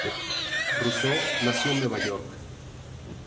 Russo nació en Nueva York.